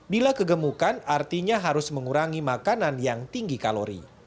bila kegemukan artinya harus mengurangi makanan yang tinggi kalori